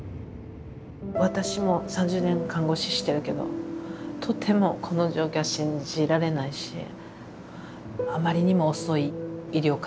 私も３０年看護師してるけどとてもこの状況は信じられないし。